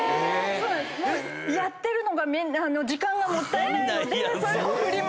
もうやってるのが時間がもったいないのでそれをフリマ